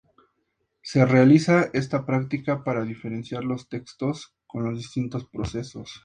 Se realiza esta práctica para diferenciar los textos con los distintos procesos.